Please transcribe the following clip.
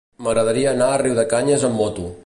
M'agradaria anar a Riudecanyes amb moto.